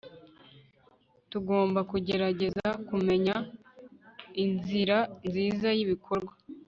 tugomba kugerageza kumenya inzira nziza y'ibikorwa